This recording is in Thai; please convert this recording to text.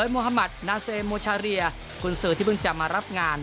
คุณสื่อที่เพิ่งจะมารับงาน